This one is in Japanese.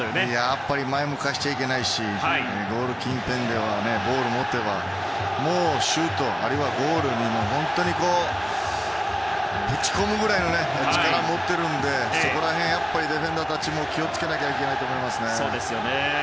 やっぱり前を向かせちゃいけないしゴール近辺でボールを持てばもう、シュートあるいはゴールにぶち込むぐらいの力を持っているのでそこら辺、ディフェンダーたちも気を付けなければいけないと思いますね。